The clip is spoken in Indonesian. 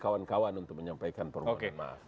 kawan kawan untuk menyampaikan permohonan maaf